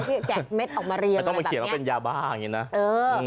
แกะเม็ดออกมาเรียงแต่ต้องไปเขียนว่าเป็นยาบ้าอย่างนี้นะเออ